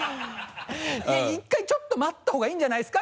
いや「１回ちょっと待った方がいいんじゃないですか？」